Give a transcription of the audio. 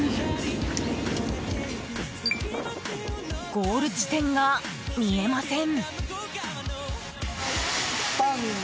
ゴール地点が見えません。